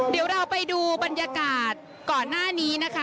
เดี๋ยวเราไปดูบรรยากาศก่อนหน้านี้นะคะ